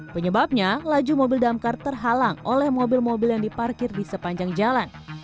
penyebabnya laju mobil damkar terhalang oleh mobil mobil yang diparkir di sepanjang jalan